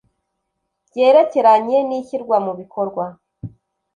byerekeranye n ishyirwa mu bikorwa